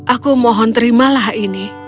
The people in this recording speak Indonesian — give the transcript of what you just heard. aku mohon terimalah ini